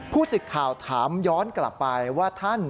สิทธิ์ข่าวถามย้อนกลับไปว่าท่าน